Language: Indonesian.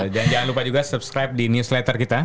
jangan lupa juga subscribe di newsletter kita